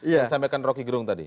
yang disampaikan rocky gerung tadi